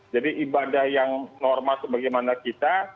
jadi ibadah yang normal bagaimana kita